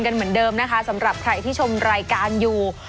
เหมือนเดิมนะคะสำหรับใครที่ชมรายการอยู่